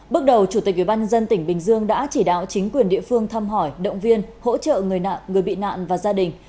bước đầu chủ tịch ubnd tỉnh bình dương đã chỉ đạo chính quyền địa phương thăm hỏi động viên hỗ trợ người bị nạn và gia đình